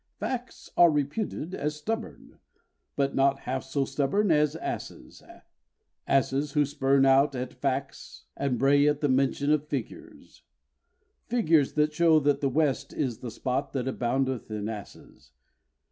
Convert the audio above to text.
Facts are reputed as stubborn; but not half so stubborn as asses, Asses who spurn out at facts and bray at the mention of figures, Figures that show that the West is the spot that aboundeth in asses.